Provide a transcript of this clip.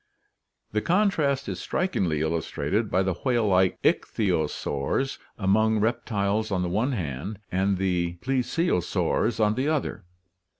The contrast is strikingly illustrated by the whale like ichthyosaurs among reptiles on the one hand and the plesiosaurs on the other (see Figs.